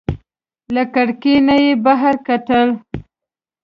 له کړکۍ نه یې بهر کتل.